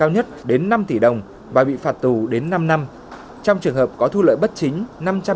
nhất là những quy định trăm điều hai trăm chín mươi hai bộ luật hình sự năm hai nghìn một mươi năm